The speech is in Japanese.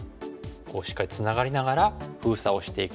しっかりつながりながら封鎖をしていく。